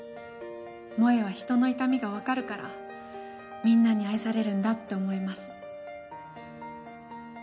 萌はひとの痛みが分かるからみんなに愛されるんだって思います。